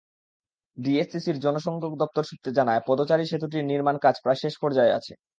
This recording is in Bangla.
ডিএসসিসির জনসংযোগ দপ্তর সূত্র জানায়, পদচারী-সেতুটির নির্মাণকাজ প্রায় শেষ পর্যায়ে আছে।